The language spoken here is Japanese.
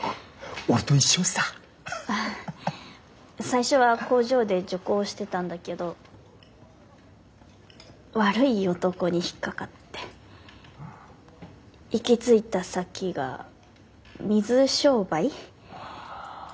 最初は工場で女工してたんだけど悪い男に引っ掛かって行き着いた先が水商売。